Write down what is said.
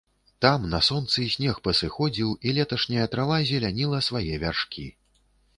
Там, на сонцы, снег пасыходзіў, і леташняя трава зеляніла свае вяршкі.